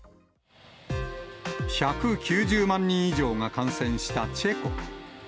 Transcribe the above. １９０万人以上が感染したチェコ。